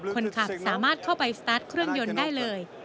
คนขับสามารถเข้าไปสตาร์ทเครื่องยนต์ได้เลย